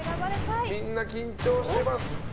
みんな緊張してます。